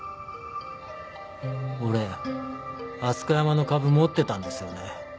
俺アスカヤマの株持ってたんですよね。